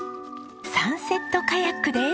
サンセットカヤックです。